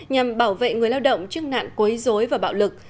nhằm bảo vệ người lao động trước nạn quấy dối và bạo lực